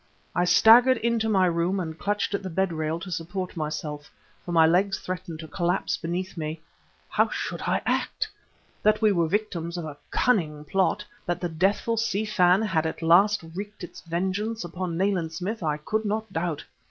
I staggered into my room and clutched at the bed rail to support myself, for my legs threatened to collapse beneath me. How should I act? That we were victims of a cunning plot, that the deathful Si Fan had at last wreaked its vengeance upon Nayland Smith I could not doubt.